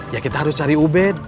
ya kita harus cari ubed